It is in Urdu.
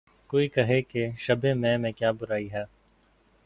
کوئی کہے کہ‘ شبِ مہ میں کیا برائی ہے